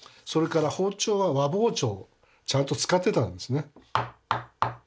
それから包丁は和包丁をちゃんと使ってたんですね。